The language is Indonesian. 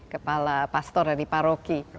kepala pastor dari paroki